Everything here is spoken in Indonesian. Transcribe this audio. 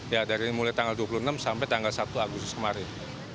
ya dari mulai tanggal dua puluh enam sampai tanggal satu agustus kemarin